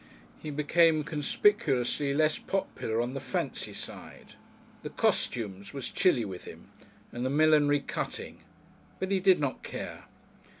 He became conspicuously less popular on the "fancy" side, the "costumes" was chilly with him and the "millinery" cutting. But he did not care.